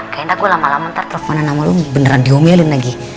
kayaknya gue lama lama ntar telfonan sama lo beneran diomelin lagi